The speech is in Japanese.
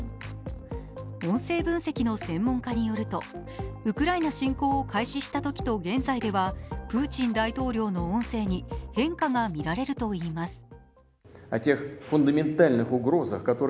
音声分析の専門家によるとウクライナ侵攻を開始したときと現在ではプーチン大統領の音声に変化が見られるといいます。